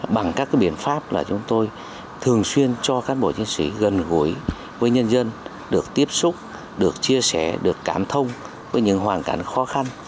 bằng các biện pháp là chúng tôi thường xuyên cho cán bộ chiến sĩ gần gũi với nhân dân được tiếp xúc được chia sẻ được cảm thông với những hoàn cảnh khó khăn